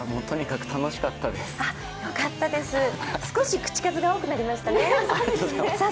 とにかく楽しかったです。